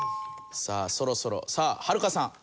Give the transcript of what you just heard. さあそろそろさあはるかさん。